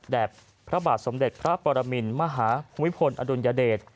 พระบาทสมเด็จพระปรมินมหาภูมิพลอดุลยเดช